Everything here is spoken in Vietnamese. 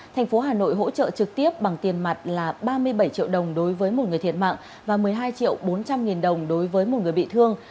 thành phố hà nội hỗ trợ trực tiếp bằng tiền mặt là ba mươi bảy triệu đồng đối với một người thiệt mạng và một mươi hai triệu bốn trăm linh nghìn đồng đối với một người bị thương